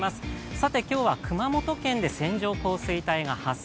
さて今日は熊本県で線状降水帯が発生。